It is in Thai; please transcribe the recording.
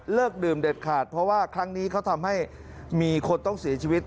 ดื่มเด็ดขาดเพราะว่าครั้งนี้เขาทำให้มีคนต้องเสียชีวิต